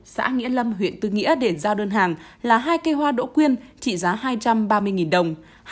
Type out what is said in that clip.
xã nghĩa lâm huyện tư nghĩa để giao đơn hàng là hai cây hoa đỗ quyên trị giá hai trăm ba mươi đồng